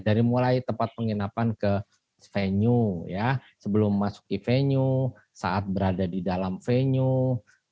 dari mulai tempat penginapan ke venue sebelum memasuki venue saat berada di dalam venue